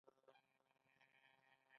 د هلمند ولایت د مرمرو کانونه مشهور دي؟